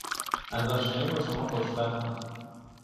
از آشنایی با شما خوشبختم